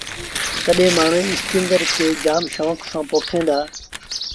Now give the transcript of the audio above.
تڏهيݩ مآڻهوٚٚݩ اسپيٚنگر کي شوڪ سآݩ پوکيݩ دآ۔